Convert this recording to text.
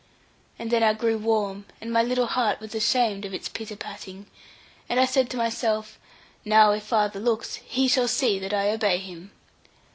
And then I grew warm, and my little heart was ashamed of its pit a patting, and I said to myself, 'now if father looks, he shall see that I obey him.'